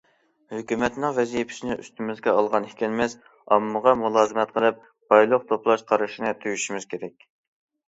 ھۆكۈمەتنىڭ ۋەزىپىسىنى ئۈستىمىزگە ئالغان ئىكەنمىز، ئاممىغا مۇلازىمەت قىلىپ، بايلىق توپلاش قارىشىنى تۈگىتىشىمىز كېرەك.